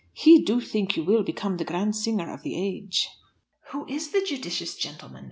He do think you will become the grand singer of the age." "Who is the judicious gentleman?"